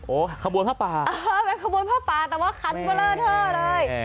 โอ้ขบวนผ้าปลาเออเป็นขบวนผ้าปลาแต่ว่าคันเบลอเท่าเลย